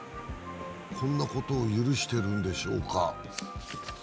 こんなことを許してるんでしょうか。